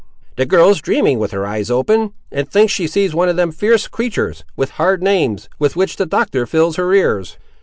"The girl is dreaming with her eyes open; and thinks she sees some of them fierce creatur's, with hard names, with which the Doctor fills her ears."